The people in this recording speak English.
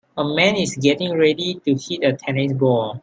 A man is getting ready to hit a tennis ball.